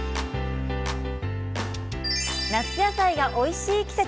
夏野菜がおいしい季節。